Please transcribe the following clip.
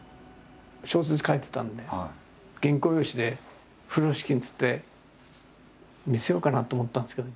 小説書いてたんで原稿用紙で風呂敷につって見せようかなと思ったんですけど。